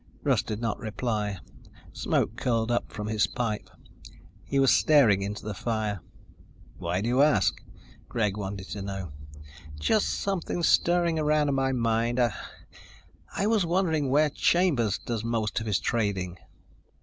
Russ did not reply. Smoke curled up from his pipe. He was staring into the fire. "Why do you ask?" Greg wanted to know. "Just something stirring around in my mind. I was wondering where Chambers does most of his trading."